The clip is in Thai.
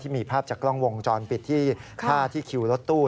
มีภาพจากกล้องวงจรปิดที่ฆ่าที่คิวรถตู้